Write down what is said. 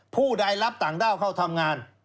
ผู้ใดรับต่างด้าวเข้าทำงาน